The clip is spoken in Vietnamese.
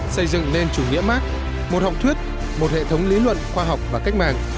xây dựng nên chủ nghĩa mark một học thuyết một hệ thống lý luận khoa học và cách mạng